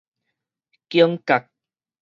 警覺